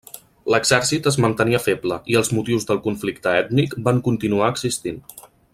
L'exèrcit es mantenia feble, i els motius del conflicte ètnic van continuar existint.